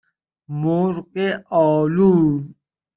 مرغ آلو